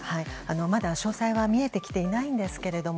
まだ詳細は見えてきていないんですけれども